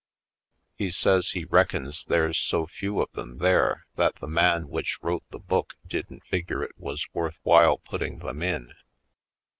He says he reckons there's so few of them there that the man which wrote the book didn't figure it was worth while putting them in.